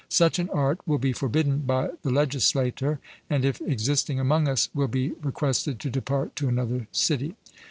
Such an art will be forbidden by the legislator, and if existing among us will be requested to depart to another city.